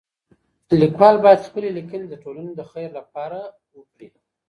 ليکوال بايد خپلي ليکنې د ټولني د خير لپاره وکړي.